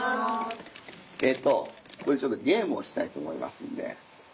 ちょっとゲームをしたいと思いますんで。